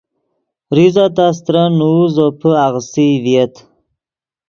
زیزہ تا استرن نوؤ زوپے آغیستئی ڤییت